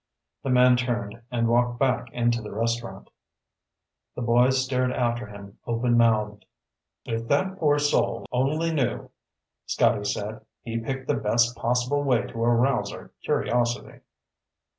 The man turned and walked back into the restaurant. The boys stared after him, openmouthed. "If that poor soul only knew," Scotty said, "he picked the best possible way to arouse our curiosity."